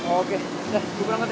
oke udah gue pulang katanya